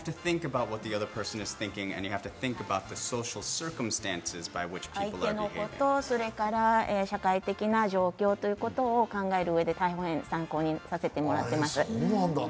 相手のこと、それから社会的な状況ということを考えるうえで大変、参考にさせてもらっています。